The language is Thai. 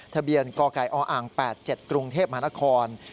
ทะเบียนกไก่ออ๘๗กรุงเทพมหานคร